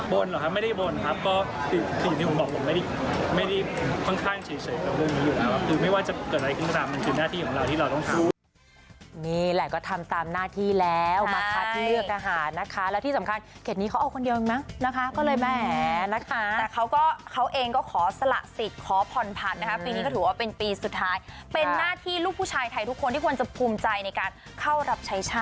ไม่ได้บ่นครับก็คือสิ่งที่ผมบอกผมไม่ได้ไม่ได้ค่อนข้างเฉยกับเรื่องนี้อยู่แล้วคือไม่ว่าจะเกิดอะไรขึ้นก็ตามมันคือหน้าที่ของเราที่เราต้องทำ